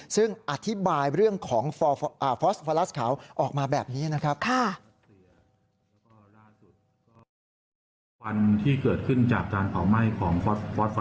ซึ่งอธิบายเรื่องของฟอสฟอลัสขาวออกมาแบบนี้นะครับ